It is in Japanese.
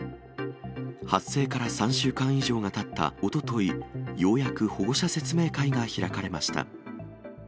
発生から３週間以上がたったおととい、ようやく保護者説明会が開かれました。